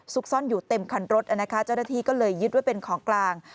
ซ่อนอยู่เต็มคันรถนะคะเจ้าหน้าที่ก็เลยยึดไว้เป็นของกลาง